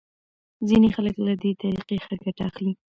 ځینې خلک له دې طریقې ښه ګټه اخلي.